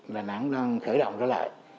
đà nẵng đang khởi động trở lại